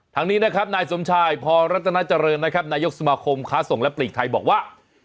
ทางนี้นะครับนายสมชายพรัตนาเจริญนะครับนายกสมาคมค้าส่งและปลีกไทยบอกว่า